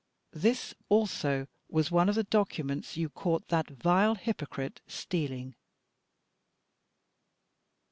This also was one of the documents you caught that vile hypocrite stealing.